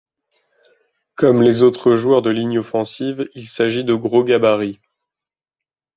Comme les autres joueurs de ligne offensive, il s'agit de gros gabarits.